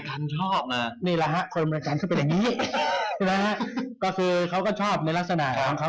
ก็คือเขาก็ชอบในลักษณะของเขา